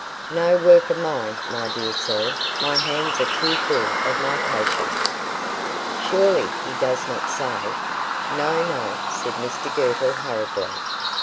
"No work of mine, my dear sir; my hands are too full of my patient. Surely he does not say " "No, no," said Mr Girtle, hurriedly.